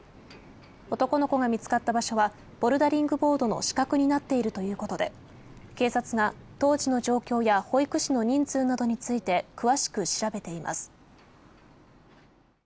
男の子が見つかった場所は、ボルダリングボードの死角になっているということで、警察が当時の状況や保育士の人数などについて、詳しく調べています。